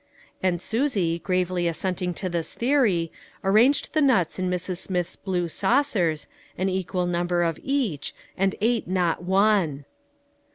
And Susie, gravely assenting to this theory, arranged the nuts in Mrs. Smith's blue saucers, an equal number in each, and ate not one